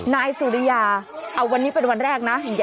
นายสุริยาเอาวันนี้เป็นวันแรกนะ